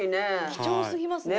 貴重すぎますね。